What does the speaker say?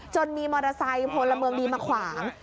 มีมอเตอร์ไซค์พลเมืองดีมาขวาง